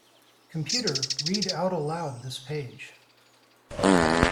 Computer, read out aloud this page.